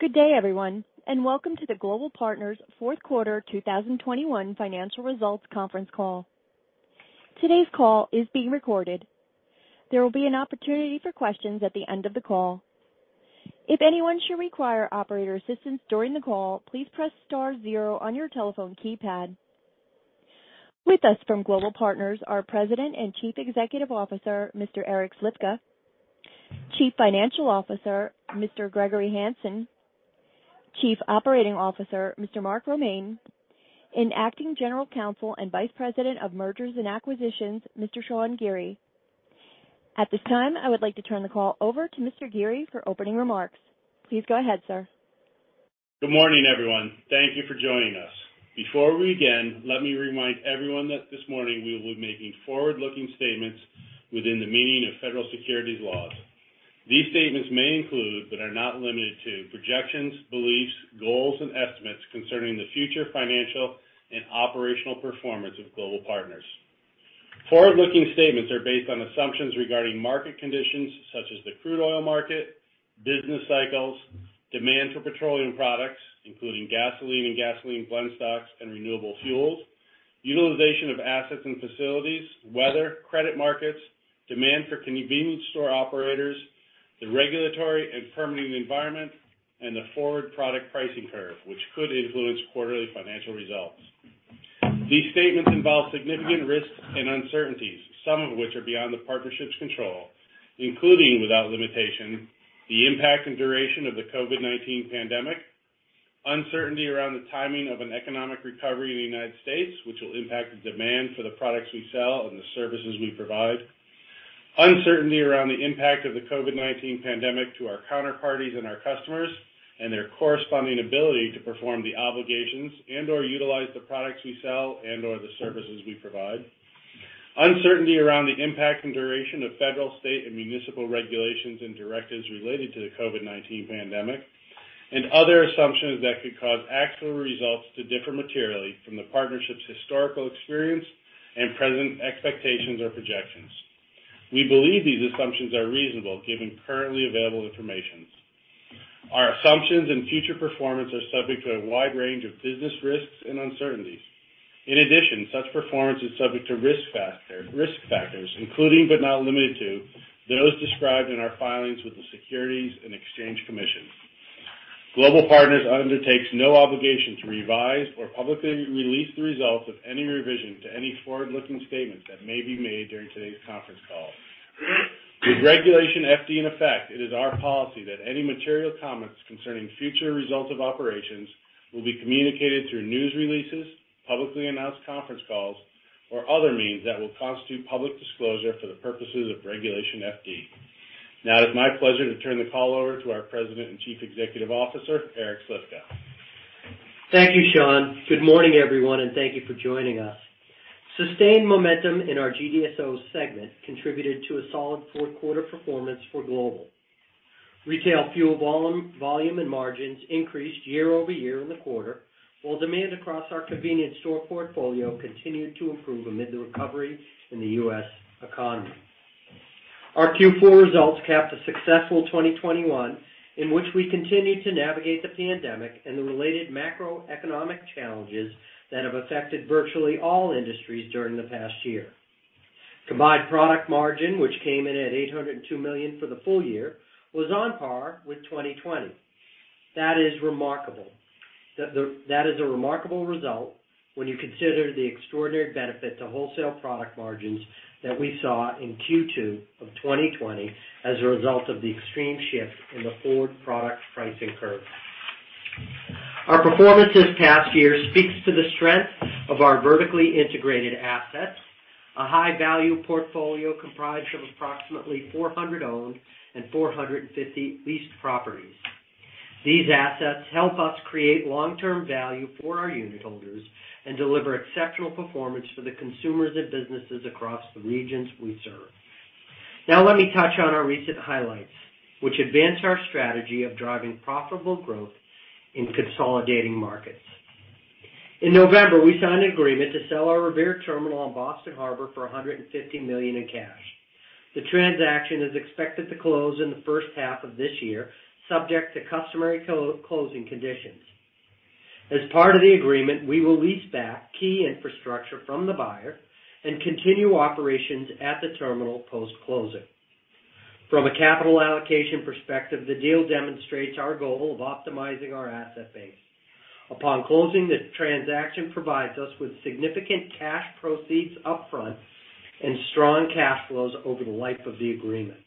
Good day, everyone, and welcome to the Global Partners fourth quarter 2021 financial results conference call. Today's call is being recorded. There will be an opportunity for questions at the end of the call. If anyone should require operator assistance during the call, please press star zero on your telephone keypad. With us from Global Partners are President and Chief Executive Officer, Mr. Eric Slifka, Chief Financial Officer, Mr. Gregory Hanson, Chief Operating Officer, Mr. Mark Romaine, and Acting General Counsel and Vice President of Mergers and Acquisitions, Mr. Sean Geary. At this time, I would like to turn the call over to Mr. Geary for opening remarks. Please go ahead, sir. Good morning, everyone. Thank you for joining us. Before we begin, let me remind everyone that this morning we will be making forward-looking statements within the meaning of federal securities laws. These statements may include, but are not limited to, projections, beliefs, goals, and estimates concerning the future financial and operational performance of Global Partners. Forward-looking statements are based on assumptions regarding market conditions such as the crude oil market, business cycles, demand for petroleum products, including gasoline and gasoline blend stocks and renewable fuels, utilization of assets and facilities, weather, credit markets, demand for convenience store operators, the regulatory and permitting environment, and the forward product pricing curve, which could influence quarterly financial results. These statements involve significant risks and uncertainties, some of which are beyond the partnership's control, including without limitation, the impact and duration of the COVID-19 pandemic, uncertainty around the timing of an economic recovery in the United States, which will impact the demand for the products we sell and the services we provide, uncertainty around the impact of the COVID-19 pandemic to our counterparties and our customers and their corresponding ability to perform the obligations and/or utilize the products we sell and/or the services we provide, uncertainty around the impact and duration of federal, state, and municipal regulations and directives related to the COVID-19 pandemic, and other assumptions that could cause actual results to differ materially from the partnership's historical experience and present expectations or projections. We believe these assumptions are reasonable given currently available information. Our assumptions and future performance are subject to a wide range of business risks and uncertainties. In addition, such performance is subject to risk factors, including but not limited to, those described in our filings with the Securities and Exchange Commission. Global Partners undertakes no obligation to revise or publicly release the results of any revision to any forward-looking statements that may be made during today's conference call. With Regulation FD in effect, it is our policy that any material comments concerning future results of operations will be communicated through news releases, publicly announced conference calls, or other means that will constitute public disclosure for the purposes of Regulation FD. Now it is my pleasure to turn the call over to our President and Chief Executive Officer, Eric Slifka. Thank you, Sean. Good morning, everyone, and thank you for joining us. Sustained momentum in our GDSO segment contributed to a solid fourth quarter performance for Global. Retail fuel volume and margins increased year over year in the quarter, while demand across our convenience store portfolio continued to improve amid the recovery in the U.S. economy. Our Q4 results capped a successful 2021 in which we continued to navigate the pandemic and the related macroeconomic challenges that have affected virtually all industries during the past year. Combined product margin, which came in at $802 million for the full year, was on par with 2020. That is remarkable. That is a remarkable result when you consider the extraordinary benefit to wholesale product margins that we saw in Q2 of 2020 as a result of the extreme shift in the forward product pricing curve. Our performance this past year speaks to the strength of our vertically integrated assets, a high-value portfolio comprised of approximately 400 owned and 450 leased properties. These assets help us create long-term value for our unit holders and deliver exceptional performance for the consumers and businesses across the regions we serve. Now let me touch on our recent highlights, which advance our strategy of driving profitable growth in consolidating markets. In November, we signed an agreement to sell our Revere terminal in Boston Harbor for $150 million in cash. The transaction is expected to close in the first half of this year, subject to customary closing conditions. As part of the agreement, we will lease back key infrastructure from the buyer and continue operations at the terminal post-closing. From a capital allocation perspective, the deal demonstrates our goal of optimizing our asset base. Upon closing, the transaction provides us with significant cash proceeds upfront and strong cash flows over the life of the agreement.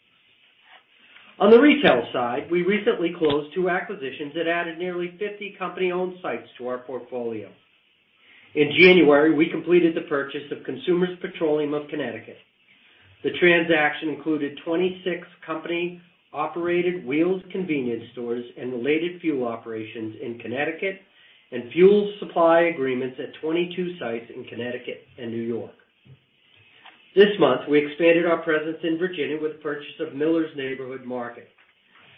On the retail side, we recently closed two acquisitions that added nearly 50 company-owned sites to our portfolio. In January, we completed the purchase of Consumers Petroleum of Connecticut. The transaction included 26 company-operated Wheels convenience stores and related fuel operations in Connecticut and fuel supply agreements at 22 sites in Connecticut and New York. This month, we expanded our presence in Virginia with the purchase of Miller's Neighborhood Market.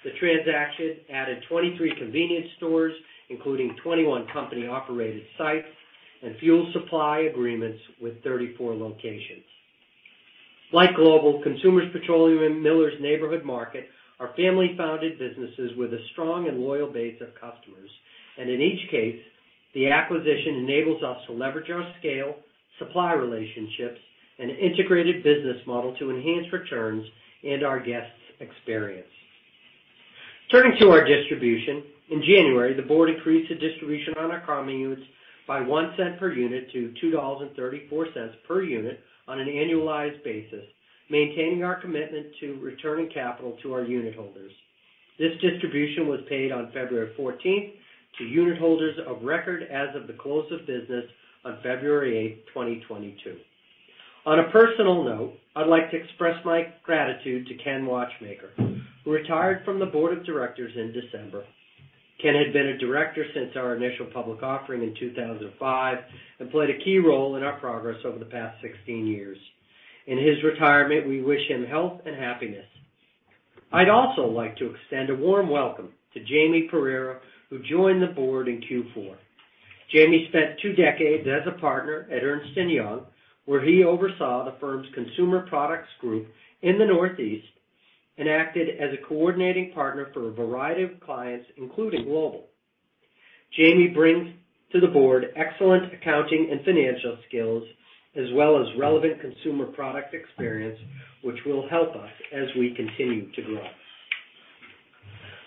The transaction added 23 convenience stores, including 21 company-operated sites and fuel supply agreements with 34 locations. Like Global, Consumers Petroleum and Miller's Neighborhood Market are family-founded businesses with a strong and loyal base of customers. In each case, the acquisition enables us to leverage our scale, supply relationships, and integrated business model to enhance returns and our guests' experience. Turning to our distribution, in January, the board increased the distribution on our common units by 1 cent per unit to $2.34 per unit on an annualized basis, maintaining our commitment to returning capital to our unit holders. This distribution was paid on February 14 to unit holders of record as of the close of business on February 8, 2022. On a personal note, I'd like to express my gratitude to Ken Watchmaker, who retired from the board of directors in December. Ken had been a director since our initial public offering in 2005 and played a key role in our progress over the past 16 years. In his retirement, we wish him health and happiness. I'd also like to extend a warm welcome to Jaime Pereira, who joined the board in Q4. Jaime spent two decades as a partner at Ernst & Young, where he oversaw the firm's consumer products group in the Northeast and acted as a coordinating partner for a variety of clients, including Global. Jaime brings to the board excellent accounting and financial skills, as well as relevant consumer product experience, which will help us as we continue to grow.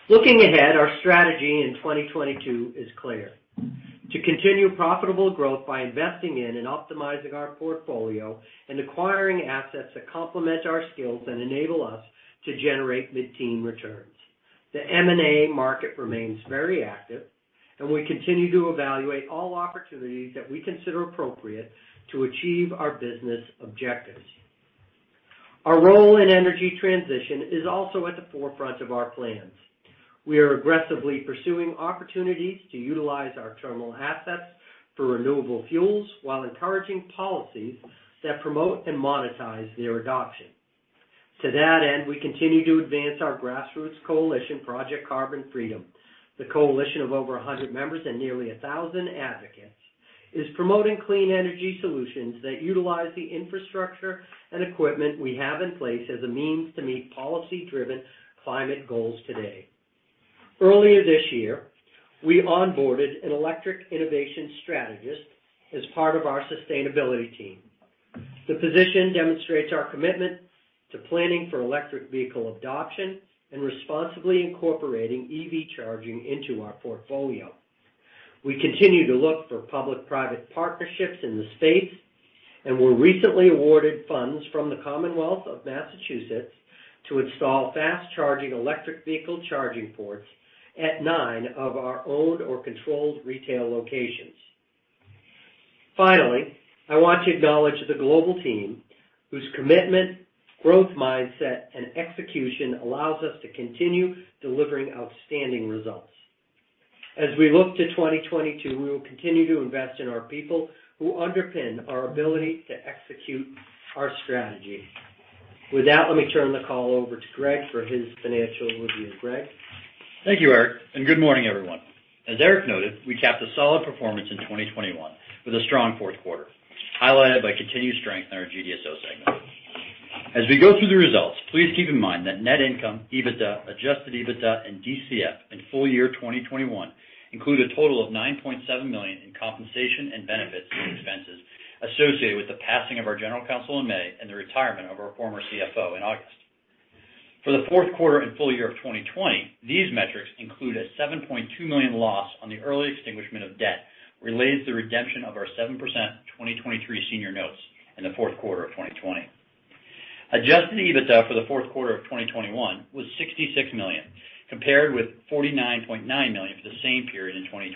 Looking ahead, our strategy in 2022 is clear to continue profitable growth by investing in and optimizing our portfolio and acquiring assets that complement our skills and enable us to generate mid-teen returns. The M&A market remains very active, and we continue to evaluate all opportunities that we consider appropriate to achieve our business objectives. Our role in energy transition is also at the forefront of our plans. We are aggressively pursuing opportunities to utilize our terminal assets for renewable fuels while encouraging policies that promote and monetize their adoption. To that end, we continue to advance our grassroots coalition Project Carbon Freedom. The coalition of over a hundred members and nearly a thousand advocates is promoting clean energy solutions that utilize the infrastructure and equipment we have in place as a means to meet policy-driven climate goals today. Earlier this year, we onboarded an electric innovation strategist as part of our sustainability team. The position demonstrates our commitment to planning for electric vehicle adoption and responsibly incorporating EV charging into our portfolio. We continue to look for public-private partnerships in the space, and were recently awarded funds from the Commonwealth of Massachusetts to install fast-charging electric vehicle charging ports at nine of our owned or controlled retail locations. Finally, I want to acknowledge the global team whose commitment, growth mindset, and execution allows us to continue delivering outstanding results. As we look to 2022, we will continue to invest in our people who underpin our ability to execute our strategy. With that, let me turn the call over to Greg for his financial review. Greg? Thank you, Eric, and good morning, everyone. As Eric noted, we capped a solid performance in 2021 with a strong fourth quarter, highlighted by continued strength in our GDSO segment. As we go through the results, please keep in mind that net income, EBITDA, adjusted EBITDA and DCF in full year 2021 include a total of $9.7 million in compensation and benefits and expenses associated with the passing of our general counsel in May and the retirement of our former CFO in August. For the fourth quarter and full year of 2020, these metrics include a $7.2 million loss on the early extinguishment of debt related to the redemption of our 7% 2023 senior notes in the fourth quarter of 2020. Adjusted EBITDA for the fourth quarter of 2021 was $66 million, compared with $49.9 million for the same period in 2020.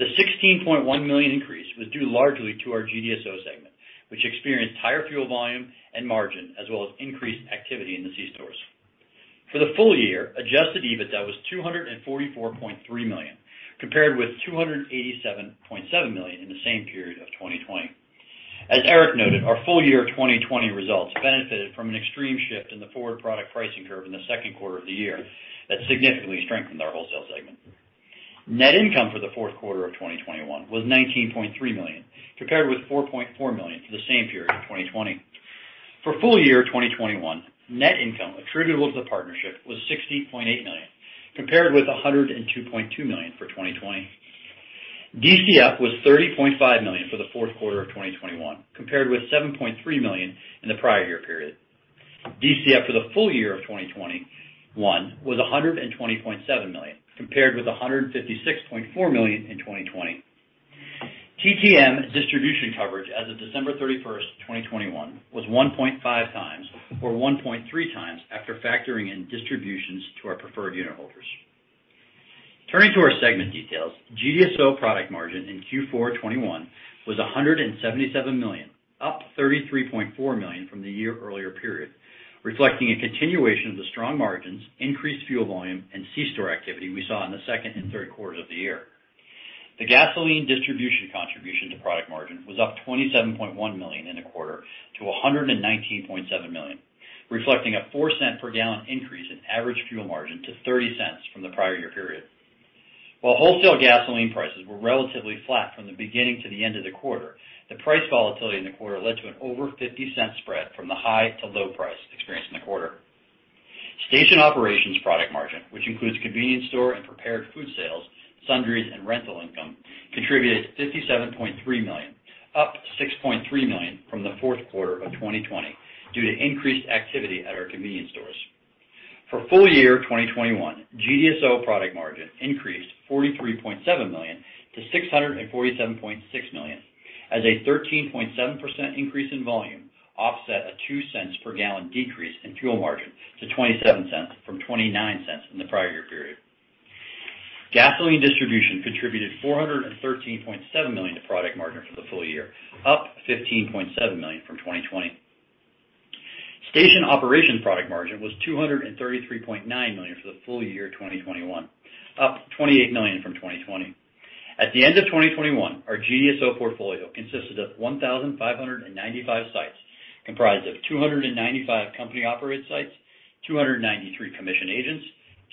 The $16.1 million increase was due largely to our GDSO segment, which experienced higher fuel volume and margin as well as increased activity in the C-stores. For the full year, adjusted EBITDA was $244.3 million, compared with $287.7 million in the same period of 2020. As Eric noted, our full year 2020 results benefited from an extreme shift in the forward product pricing curve in the second quarter of the year that significantly strengthened our wholesale segment. Net income for the fourth quarter of 2021 was $19.3 million, compared with $4.4 million for the same period in 2020. For full year 2021, net income attributable to the partnership was $60.8 million, compared with $102.2 million for 2020. DCF was $30.5 million for the fourth quarter of 2021, compared with $7.3 million in the prior year period. DCF for the full year of 2021 was $120.7 million, compared with $156.4 million in 2020. TTM distribution coverage as of December 31, 2021 was 1.5x or 1.3x after factoring in distributions to our preferred unit holders. Turning to our segment details, GDSO product margin in Q4 2021 was $177 million, up $33.4 million from the year earlier period, reflecting a continuation of the strong margins, increased fuel volume, and C-store activity we saw in the second and third quarters of the year. The gasoline distribution contribution to product margin was up $27.1 million in the quarter to $119.7 million, reflecting a $0.04 per gallon increase in average fuel margin to $0.30 from the prior year period. While wholesale gasoline prices were relatively flat from the beginning to the end of the quarter, the price volatility in the quarter led to an over $0.50 spread from the high to low price experienced in the quarter. Station operations product margin, which includes convenience store and prepared food sales, sundries, and rental income, contributed $57.3 million, up $6.3 million from the fourth quarter of 2020 due to increased activity at our convenience stores. For full year 2021, GDSO product margin increased $43.7 million to $647.6 million, as a 13.7% increase in volume offset a $0.02 per gallon decrease in fuel margin to $0.27 from $0.29 in the prior year period. Gasoline distribution contributed $413.7 million to product margin for the full year, up $15.7 million from 2020. Station operation product margin was $233.9 million for the full year 2021, up $28 million from 2020. At the end of 2021, our GDSO portfolio consisted of 1,595 sites, comprised of 295 company-operated sites, 293 commission agents,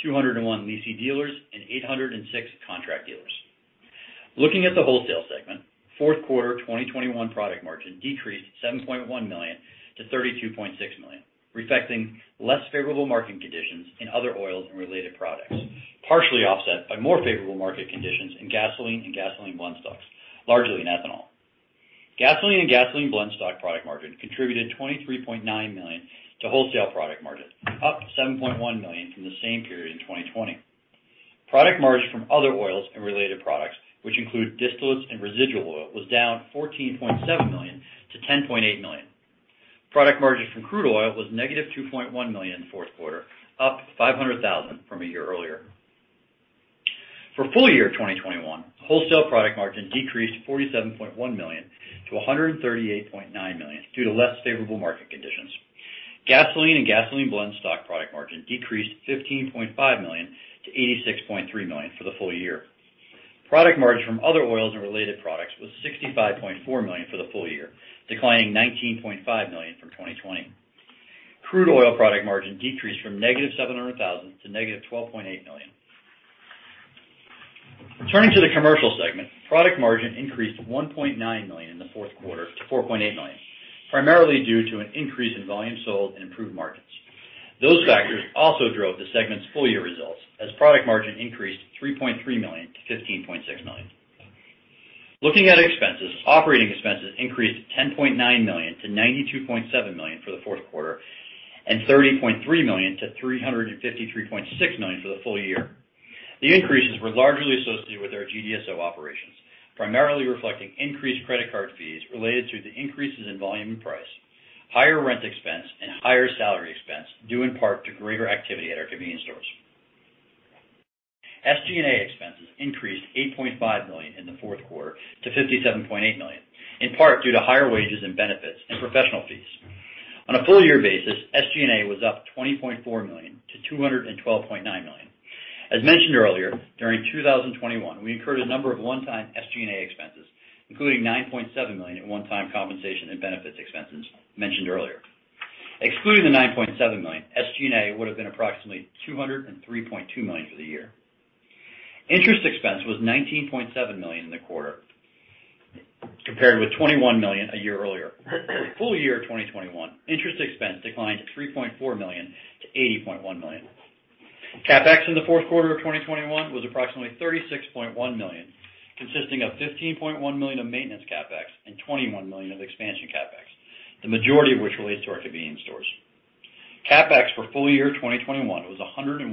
201 lessee dealers, and 806 contract dealers. Looking at the wholesale segment, fourth quarter 2021 product margin decreased $7.1 million to $32.6 million, reflecting less favorable market conditions in other oils and related products, partially offset by more favorable market conditions in gasoline and gasoline blend stocks, largely in ethanol. Gasoline and gasoline blend stock product margin contributed $23.9 million to wholesale product margin, up $7.1 million from the same period in 2020. Product margin from other oils and related products, which include distillates and residual oil, was down $14.7 million to $10.8 million. Product margin from crude oil was -$2.1 million in the fourth quarter, up $500,000 from a year earlier. For full year 2021, wholesale product margin decreased $47.1 million to $138.9 million due to less favorable market conditions. Gasoline and gasoline blend stock product margin decreased $15.5 million to $86.3 million for the full year. Product margin from other oils and related products was $65.4 million for the full year, declining $19.5 million from 2020. Crude oil product margin decreased from -$700,000 to -$12.8 million. Turning to the commercial segment, product margin increased $1.9 million in the fourth quarter to $4.8 million, primarily due to an increase in volume sold and improved margins. Those factors also drove the segment's full-year results as product margin increased $3.3 million to $15.6 million. Looking at expenses, operating expenses increased $10.9 million to $92.7 million for the fourth quarter and $30.3 million to $353.6 million for the full year. The increases were largely associated with our GDSO operations, primarily reflecting increased credit card fees related to the increases in volume and price, higher rent expense, and higher salary expense, due in part to greater activity at our convenience stores. SG&A expenses increased $8.5 million in the fourth quarter to $57.8 million, in part due to higher wages and benefits and professional fees. On a full year basis, SG&A was up $20.4 million to $212.9 million. As mentioned earlier, during 2021, we incurred a number of one-time SG&A expenses, including $9.7 million in one-time compensation and benefits expenses mentioned earlier. Excluding the $9.7 million, SG&A would have been approximately $203.2 million for the year. Interest expense was $19.7 million in the quarter, compared with $21 million a year earlier. Full year 2021, interest expense declined $3.4 million to $80.1 million. CapEx in the fourth quarter of 2021 was approximately $36.1 million, consisting of $15.1 million of maintenance CapEx and $21 million of expansion CapEx, the majority of which relates to our convenience stores. CapEx for full year 2021 was $101.7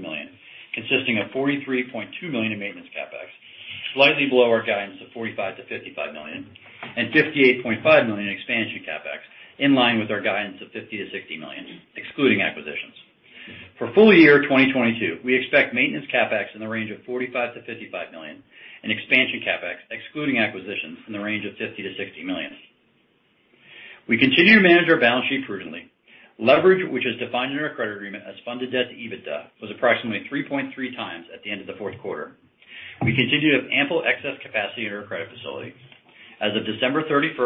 million, consisting of $43.2 million in maintenance CapEx, slightly below our guidance of $45 million-$55 million, and $58.5 million in expansion CapEx, in line with our guidance of $50 million-$60 million, excluding acquisitions. For full year 2022, we expect maintenance CapEx in the range of $45 million-$55 million and expansion CapEx, excluding acquisitions in the range of $50 million-$60 million. We continue to manage our balance sheet prudently. Leverage, which is defined in our credit agreement as funded debt to EBITDA, was approximately 3.3x at the end of the fourth quarter. We continue to have ample excess capacity in our credit facility. As of December 31,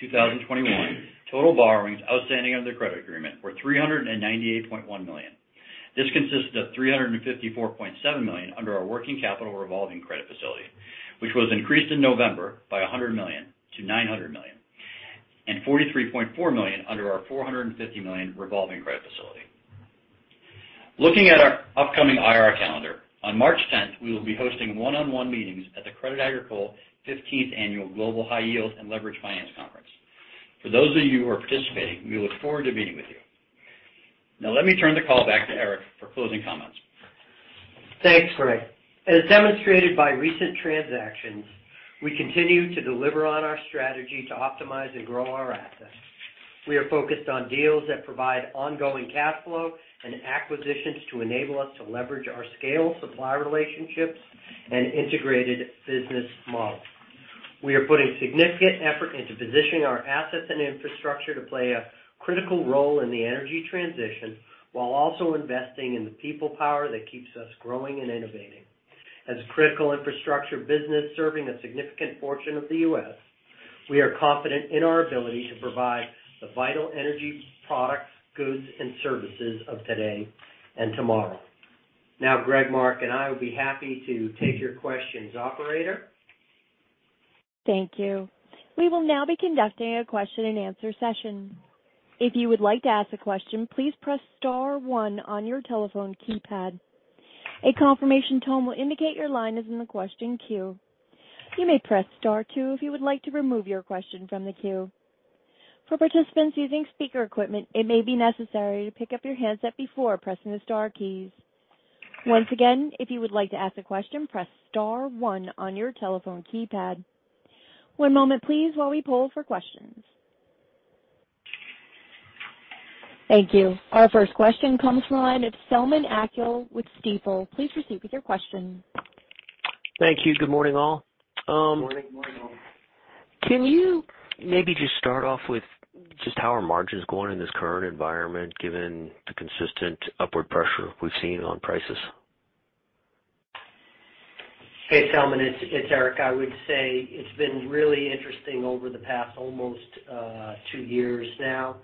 2021, total borrowings outstanding under the credit agreement were $398.1 million. This consisted of $354.7 million under our working capital revolving credit facility, which was increased in November by $100 million to $900 million, and $43.4 million under our $450 million revolving credit facility. Looking at our upcoming IR calendar, on March 10, we will be hosting one-on-one meetings at the Crédit Agricole 15th Annual Global High Yield and Leveraged Finance Conference. For those of you who are participating, we look forward to meeting with you. Now, let me turn the call back to Eric for closing comments. Thanks, Greg. As demonstrated by recent transactions, we continue to deliver on our strategy to optimize and grow our assets. We are focused on deals that provide ongoing cash flow and acquisitions to enable us to leverage our scale, supply relationships, and integrated business model. We are putting significant effort into positioning our assets and infrastructure to play a critical role in the energy transition while also investing in the people power that keeps us growing and innovating. As a critical infrastructure business serving a significant portion of the U.S., we are confident in our ability to provide the vital energy products, goods, and services of today and tomorrow. Now, Greg, Mark, and I will be happy to take your questions. Operator? Thank you. We will now be conducting a question-and-answer session. If you would like to ask a question, please press star one on your telephone keypad. A confirmation tone will indicate your line is in the question queue. You may press star two if you would like to remove your question from the queue. For participants using speaker equipment, it may be necessary to pick up your handset before pressing the star keys. Once again, if you would like to ask a question, press star one on your telephone keypad. One moment please while we poll for questions. Thank you. Our first question comes from the line of Selman Akyol with Stifel. Please proceed with your question. Thank you. Good morning, all. Morning. Morning. Can you maybe just start off with just how are margins going in this current environment, given the consistent upward pressure we've seen on prices? Hey, Selman. It's Eric. I would say it's been really interesting over the past almost two years now.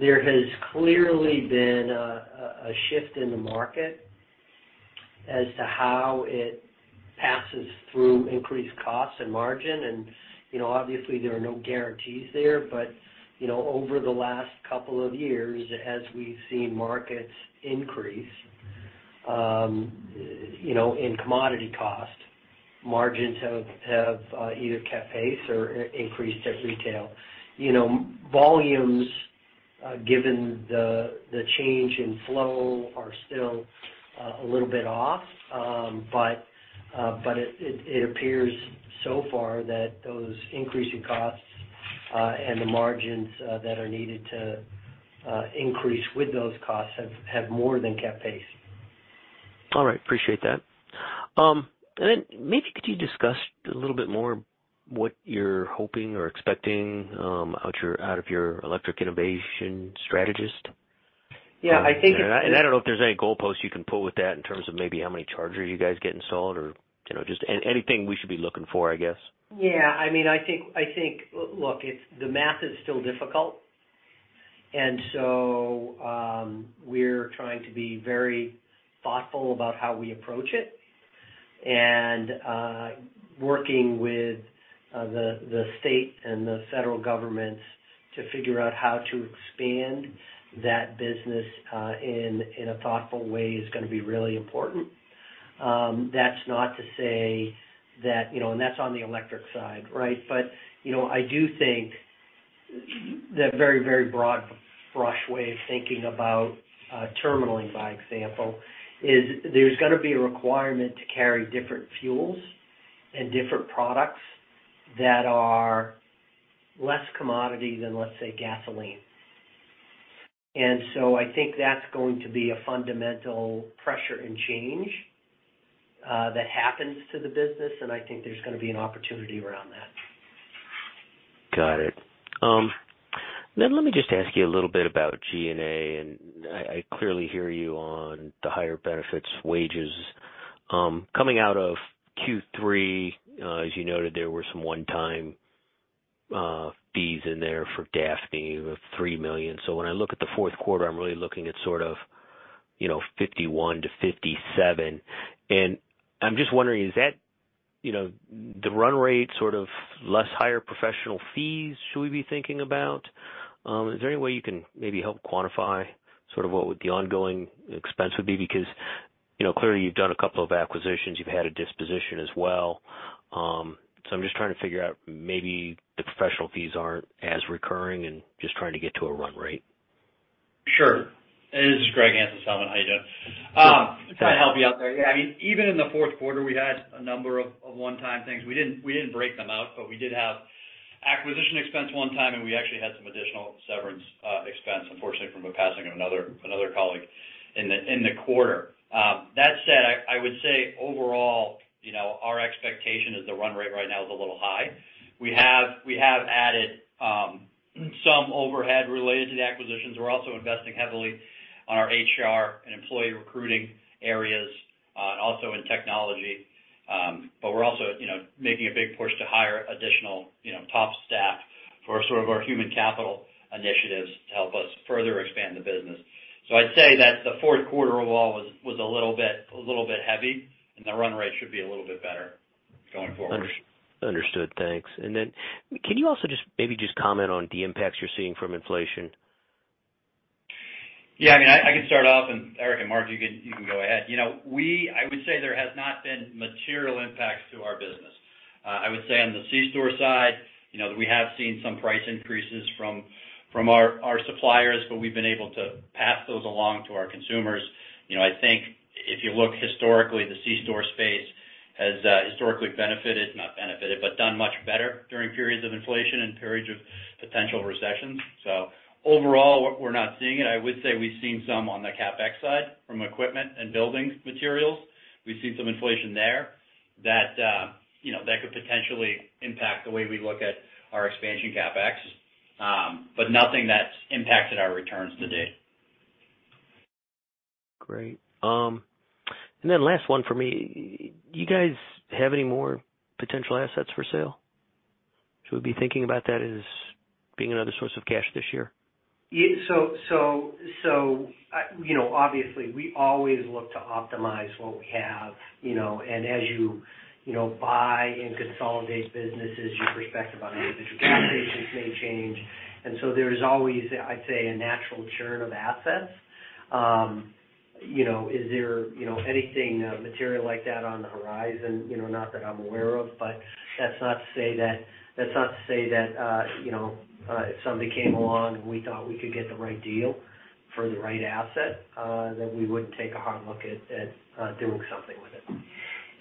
There has clearly been a shift in the market as to how it passes through increased costs and margin. You know, obviously there are no guarantees there. You know, over the last couple of years, as we've seen markets increase, you know, in commodity cost, margins have either kept pace or increased at retail. You know, volumes given the change in flow are still a little bit off. But it appears so far that those increasing costs and the margins that are needed to increase with those costs have more than kept pace. All right. Appreciate that. Maybe could you discuss a little bit more what you're hoping or expecting out of your electric innovation strategist? Yeah, I think. I don't know if there's any goalposts you can pull with that in terms of maybe how many chargers you guys getting sold or, you know, just anything we should be looking for, I guess. Yeah, I mean, I think. Look, the math is still difficult. We're trying to be very thoughtful about how we approach it. Working with the state and the federal governments to figure out how to expand that business in a thoughtful way is gonna be really important. That's not to say that, you know. That's on the electric side, right? I do think the very, very broad brush way of thinking about terminaling, for example, is there's gonna be a requirement to carry different fuels and different products that are less commodity than, let's say, gasoline. I think that's going to be a fundamental pressure and change that happens to the business, and I think there's gonna be an opportunity around that. Got it. Let me just ask you a little bit about G&A, and I clearly hear you on the higher benefits wages. Coming out of Q3, as you noted, there were some one-time fees in there for Daphne of $3 million. When I look at the fourth quarter, I'm really looking at sort of, you know, $51 million-$57 million. I'm just wondering, is that, you know, the run rate sort of less higher professional fees should we be thinking about? Is there any way you can maybe help quantify sort of what the ongoing expense would be? Because, you know, clearly you've done a couple of acquisitions. You've had a disposition as well. I'm just trying to figure out maybe the professional fees aren't as recurring and just trying to get to a run rate. Sure. This is Greg Hanson, Selman. How you doing? To help you out there. Yeah. I mean, even in the fourth quarter, we had a number of one-time things. We didn't break them out, but we did have acquisition expense one time, and we actually had some additional severance expense, unfortunately, from a passing of another colleague in the quarter. That said, I would say overall, you know, our expectation is the run rate right now is a little high. We have added some overhead related to the acquisitions. We're also investing heavily on our HR and employee recruiting areas, also in technology. But we're also, you know, making a big push to hire additional, you know, top staff for sort of our human capital initiatives to help us further expand the business. I'd say that the fourth quarter overall was a little bit heavy, and the run rate should be a little bit better going forward. Understood. Thanks. Can you also just maybe just comment on the impacts you're seeing from inflation? Yeah. I mean, I can start off and Eric and Mark, you can go ahead. You know, I would say there has not been material impacts to our business. I would say on the C-store side, you know, we have seen some price increases from our suppliers, but we've been able to pass those along to our consumers. You know, I think if you look historically, the C-store space has historically benefited, not benefited, but done much better during periods of inflation and periods of potential recessions. Overall, we're not seeing it. I would say we've seen some on the CapEx side from equipment and building materials. We've seen some inflation there that, you know, that could potentially impact the way we look at our expansion CapEx. But nothing that's impacted our returns to date. Great. Last one for me. You guys have any more potential assets for sale? Should we be thinking about that as being another source of cash this year? Yeah. You know, obviously we always look to optimize what we have, you know, and as you buy and consolidate businesses, your perspective on individual locations may change. There is always, I'd say, a natural churn of assets. You know, is there anything material like that on the horizon? You know, not that I'm aware of, but that's not to say that, you know, if somebody came along and we thought we could get the right deal for the right asset, that we wouldn't take a hard look at doing something with it.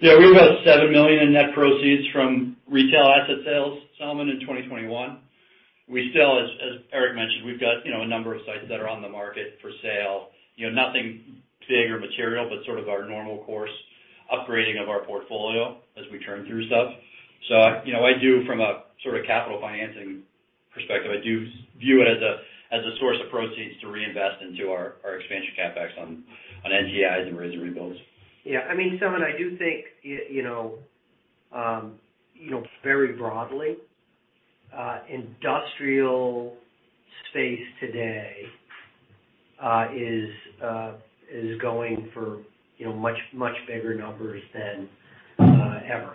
Yeah. We were about $7 million in net proceeds from retail asset sales, Selman, in 2021. We still, as Eric mentioned, we've got, you know, a number of sites that are on the market for sale. You know, nothing big or material, but sort of our normal course upgrading of our portfolio as we turn through stuff. I, you know, I do from a sort of capital financing perspective, I do view it as a, as a source of proceeds to reinvest into our expansion CapEx on NTIs and raise and rebuilds. Yeah. I mean, Selman, I do think you know, very broadly, industrial space today is going for you know, much bigger numbers than ever.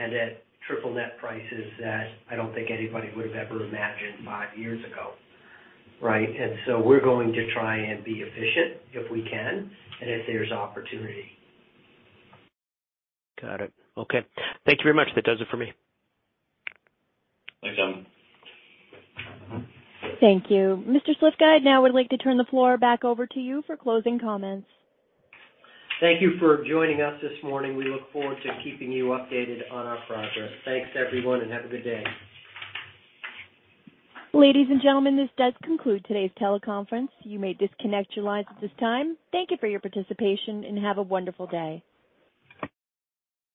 At triple net prices that I don't think anybody would have ever imagined five years ago, right? We're going to try and be efficient if we can and if there's opportunity. Got it. Okay. Thank you very much. That does it for me. Thanks, Selman. Thank you. Mr. Slifka, I now would like to turn the floor back over to you for closing comments. Thank you for joining us this morning. We look forward to keeping you updated on our progress. Thanks everyone, and have a good day. Ladies and gentlemen, this does conclude today's teleconference. You may disconnect your lines at this time. Thank you for your participation, and have a wonderful day.